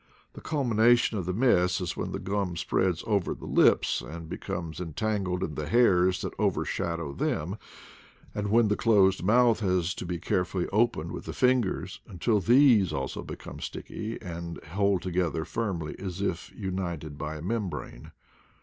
The culmina tion of the mess is when the gum spreads over the lips and becomes entangled in the hairs that overshadow them; and when the closed mouth has to be carefully opened with the fingers, until these also become sticky and hold together firmly as if united by a membrane.